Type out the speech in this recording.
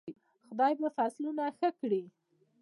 خدای به فصلونه ښه کړي.